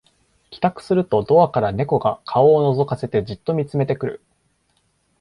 帰宅するとドアから猫が顔をのぞかせてじっと見つめてくる